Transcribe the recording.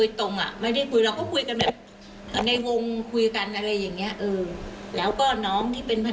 สดท้าย